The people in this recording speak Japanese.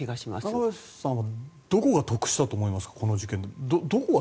中林さんはどこが得をしたと思いますか。